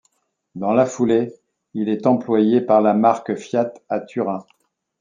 Dans la foulée, il est employé par la marque Fiat à Turin.